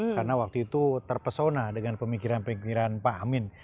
karena waktu itu terpesona dengan pemikiran pemikiran pak amin